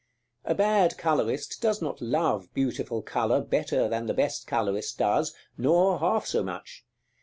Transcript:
A bad colorist does not love beautiful color better than the best colorist does, nor half so much.